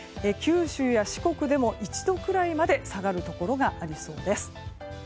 九州や四国でも１度くらいまで下がるところがありそうです。